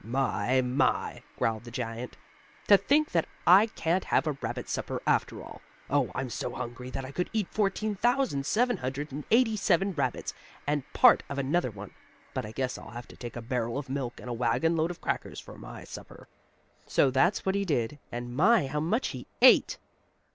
"My, my!" growled the giant. "To think that I can't have a rabbit supper after all. Oh, I'm so hungry that I could eat fourteen thousand, seven hundred and eighty seven rabbits, and part of another one. But I guess I'll have to take a barrel of milk and a wagon load of crackers for my supper." So that's what he did, and my how much he ate!